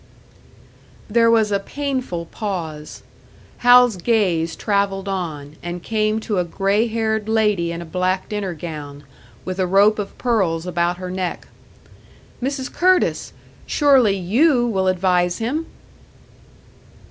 There was a painful pause. Hal's gaze travelled on, and came to a grey haired lady in a black dinner gown, with a rope of pearls about her neck. "Mrs. Curtis! Surely you will advise him!"